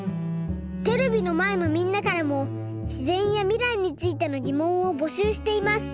テレビのまえのみんなからもしぜんやみらいについてのぎもんをぼしゅうしています。